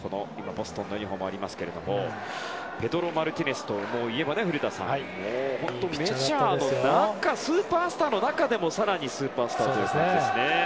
ボストンのユニホームがありますがペドロ・マルティネスと言えば古田さん、メジャーのスーパースターの中でも更にスーパースターですね。